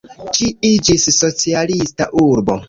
Ĝi iĝis socialista urbo.